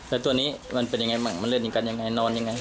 แล้วตัวนี้มันเป็นอย่างไรบ้างมันเล่นอย่างไรนอนอย่างไร